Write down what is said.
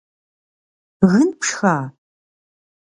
Гын пшха?!